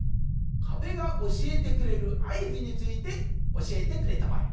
かべがおしえてくれるあいずについておしえてくれたまえ。